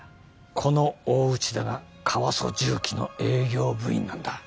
この大内田がカワソ什器の営業部員なんだ。